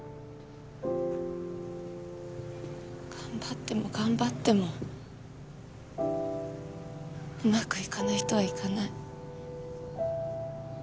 頑張っても頑張ってもうまくいかない人はいかない。